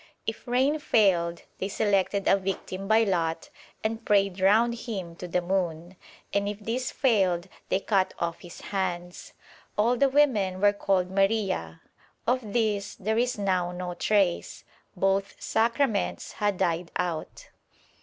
If rain failed they selected a victim by lot and prayed round him to the moon, and if this failed they cut off his hands. All the women were called Maria.' Of this there is now no trace. Both Sacraments had died out.